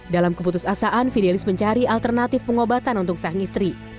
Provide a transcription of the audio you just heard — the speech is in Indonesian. dalam keputusasaan fidelis mencari alternatif pengobatan untuk sang istri